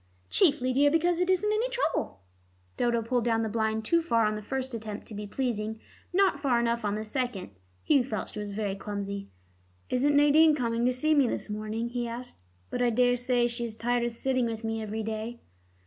"Chiefly, dear, because it isn't any trouble." Dodo pulled down the blind too far on the first attempt to be pleasing, not far enough on the second. Hugh felt she was very clumsy. "Isn't Nadine coming to see me this morning?" he asked. "But I daresay she is tired of sitting with me every day."